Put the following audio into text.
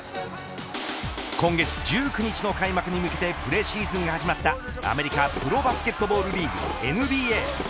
今月１９日の開幕に向けてプレシーズンが始まったアメリカプロバスケットボールリーグＮＢＡ。